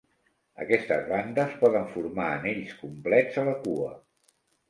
Aquestes bandes poden formar anells complets a la cua.